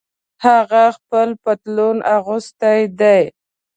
هغه خپل پتلون اغوستۍ دي